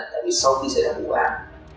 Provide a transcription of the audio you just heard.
tại vì sau khi xảy ra vụ án